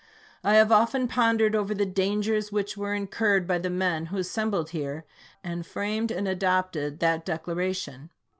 I have often pondered over the dangers which were in curred by the men who assembled here and framed and adopted that Declaration.